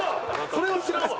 それは知らんわ。